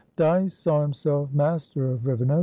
Dyce saw himself master of Rivenoak.